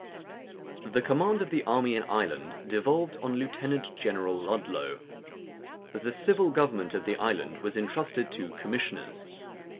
The command of the army in Ireland devolved on Lieutenant General Ludlow. The civil government of the island was intrusted to commissioners.